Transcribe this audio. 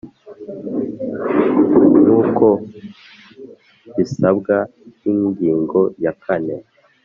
Nk uko bisabwa n ingingo ya kane